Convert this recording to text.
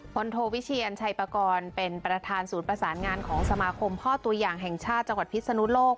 โทวิเชียนชัยปากรเป็นประธานศูนย์ประสานงานของสมาคมพ่อตัวอย่างแห่งชาติจังหวัดพิศนุโลก